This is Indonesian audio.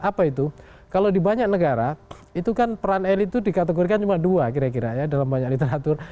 apa itu kalau di banyak negara itu kan peran elit itu dikategorikan cuma dua kira kira ya dalam banyak literatur